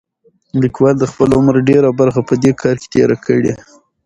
لیکوال د خپل عمر ډېره برخه په دې کار کې تېره کړې.